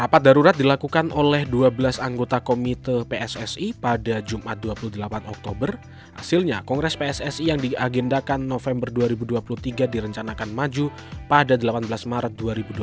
pertiga direncanakan maju pada delapan belas maret dua ribu dua puluh tiga